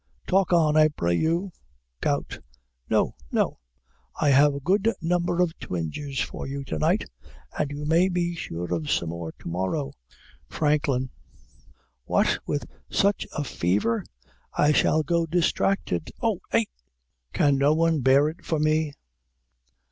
Talk on, I pray you. GOUT. No, no; I have a good number of twinges for you to night, and you may be sure of some more to morrow. FRANKLIN. What, with such a fever! I shall go distracted. Oh! eh! Can no one bear it for me?